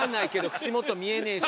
口元見えねえし。